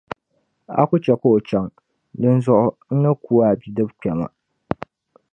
a ku chɛ ka o chaŋ, dinzuɣu n ni ku a bidib’ kpɛma.